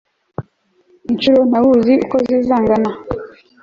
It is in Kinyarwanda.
inshuro ntawuzi uko zizangana